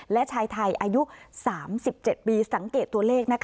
และชายไทยอายุ๓๗ปีสังเกตตัวเลข